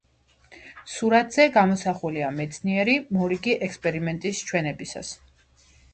სურათზე გამოსახულია მეცნიერი მორიგი ექსპერიმენტის ჩვენებისას.